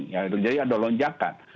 ya itu jadi ada lonjakan